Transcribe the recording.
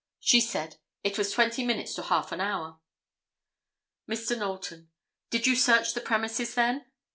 She said, 'It was twenty minutes to half an hour.'" Mr. Knowlton—"Did you search the premises then?